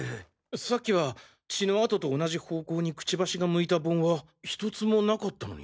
さっきは血の跡と同じ方向にクチバシが向いた盆はひとつもなかったのに。